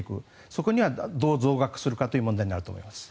そこはどう増額するかという問題になると思います。